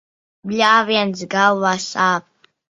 Bļāviens, galva sāp.